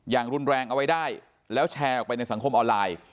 อย่างรุนแรงเอาไว้ได้แล้วแชร์ออกไปในสังคมออนไลน์